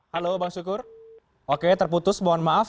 halo bang syukur oke terputus mohon maaf